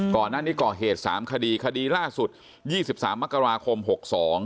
ก่อนหน้านี้ก่อเหตุสามคดีคดีล่าสุดยี่สิบสามมกราคมหกสอง